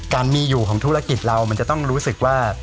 การมีอยู่ของธุรกิจเรามันจะต้องรู้สึกว่า